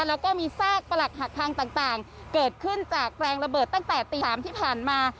แล้วก็มีซากประหลักหักทางต่างเกิดขึ้นจากแรงระเบิดตั้งแต่ตี๓ที่ผ่านมา